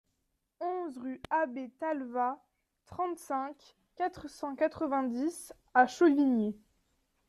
onze rue Abbé Talvas, trente-cinq, quatre cent quatre-vingt-dix à Chauvigné